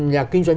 nhà kinh doanh